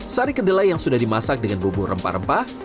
sari kedelai yang sudah dimasak dengan bumbu rempah rempah